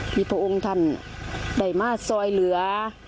พระองค์ท่านได้มาซอยเหลือ